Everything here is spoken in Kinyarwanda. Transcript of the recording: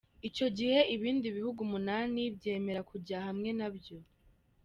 Ico gihe ibindi bihugu umunani vyemera kuja hamwe na vyo.